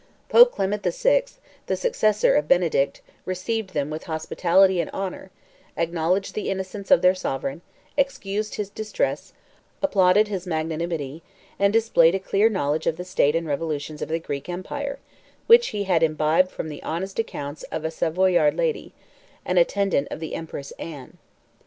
Pope Clement the Sixth, 4 the successor of Benedict, received them with hospitality and honor, acknowledged the innocence of their sovereign, excused his distress, applauded his magnanimity, and displayed a clear knowledge of the state and revolutions of the Greek empire, which he had imbibed from the honest accounts of a Savoyard lady, an attendant of the empress Anne.